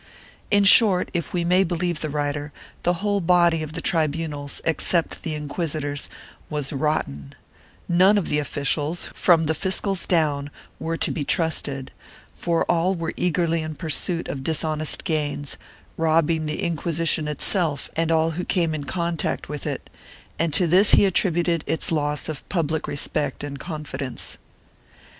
In short, if we may believe the writer, the whole body of the tribunals, except the inquisitors, was rotten; none of the officials, from the fiscals down, were to be trusted, for all were eagerly in pursuit of dishonest gains, robbing the Inquisition itself and all who came in contact with it, and to this he attributed its loss of public respect and confidence.